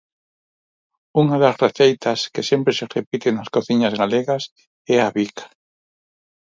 Unha das receitas que sempre se repite nas cociñas galegas é a bica.